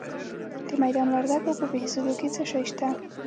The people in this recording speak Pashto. د میدان وردګو په بهسودو کې څه شی شته؟